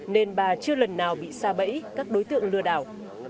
nên bà chưa lần nào bị xa bẫy các đối tượng lừa đảo